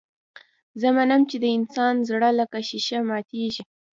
زه منم چې د انسان زړه لکه ښيښه ماتېږي.